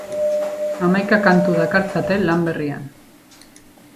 Hamaika kantu dakartzate lan berrian.